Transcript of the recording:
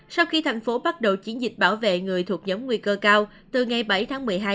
sau khi thành phố bắt đầu chiến dịch bảo vệ người thuộc giống nguy cơ cao từ ngày bảy tháng một mươi hai